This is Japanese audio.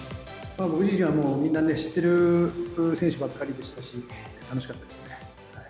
僕自身は、みんな知ってる選手ばっかりでしたし、楽しかったですね。